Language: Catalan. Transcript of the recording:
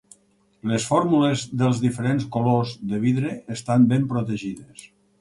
Les fórmules dels diferents colors de vidre estan ben protegides.